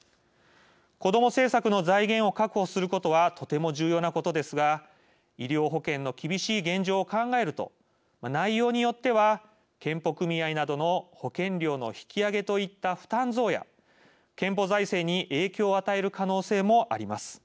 子ども政策の財源を確保することはとても重要なことですが医療保険の厳しい現状を考えると内容によっては健保組合などの保険料の引き上げといった負担増や健保財政に影響を与える可能性もあります。